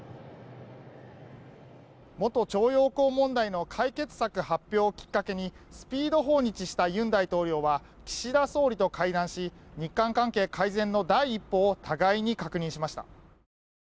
元徴用工問題の解決策発表をきっかけにスピード訪日した尹大統領は岸田総理と会談し日韓関係改善の第一歩を互いに確認しました。